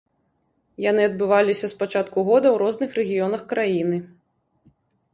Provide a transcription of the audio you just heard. Яны адбываліся з пачатку года ў розных рэгіёнах краіны.